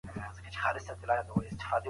ملکيت د امنيت سبب ګرځي.